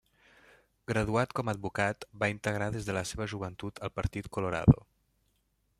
Graduat com advocat, va integrar des de la seva joventut el Partit Colorado.